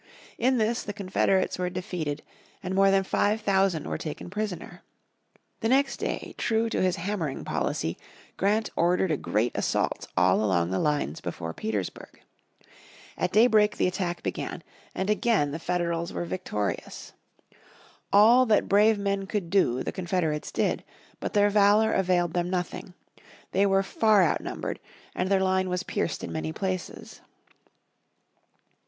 In this the Confederates were defeated, and more than five thousand were taken prisoner. The next day, true to his hammering policy, Grant ordered a great assault all along the lines before Petersburg. At daybreak the attack began, and again the Federals were victorious. All that brave men could do the Confederates did. But their valour availed them nothing. They were far outnumbered, and their line was pierced in many places.